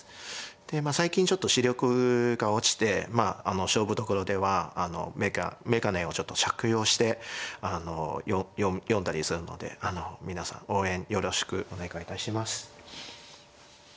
で最近ちょっと視力が落ちて勝負どころでは眼鏡をちょっと着用して読んだりするので皆さん応援よろしくお願いいたします。